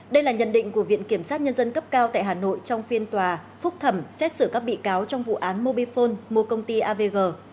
đây là nhận định của viện kiểm sát nhân dân cấp cao tại hà nội trong phiên tòa phúc thẩm xét xử các bị cáo trong vụ án mobifone mua công ty avg